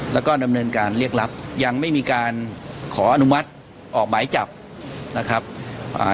แล้วก็ดำเนินการเรียกรับยังไม่มีการขออนุมัติออกหมายจับนะครับอ่า